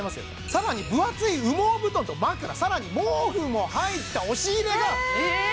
更に分厚い羽毛布団と枕更に毛布も入った押し入れがえ！